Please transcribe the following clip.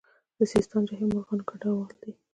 د سیستان جهیل مرغان کډوال دي